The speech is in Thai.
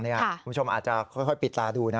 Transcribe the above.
คุณผู้ชมอาจจะค่อยปิดตาดูนะ